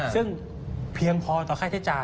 ซึ่งเพียงพอต่อค่าใช้จ่าย